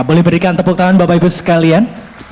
boleh berikan tepuk tangan bapak ibu sekalian